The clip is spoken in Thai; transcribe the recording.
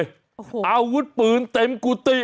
อาวุธปืนเต็มกุฏิ